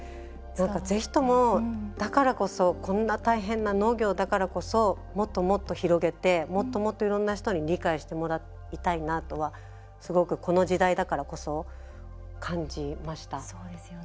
ぜひとも、だからこそこんな大変な農業だからこそもっともっと広げてもっともっと、いろんな人に理解してもらいたいなとはすごく、この時代だからこそ感じました。